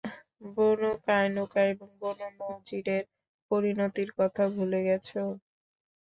বনু Qaynuqa এবং Banu নযীরের পরিণতির কথা ভুলে গেছ?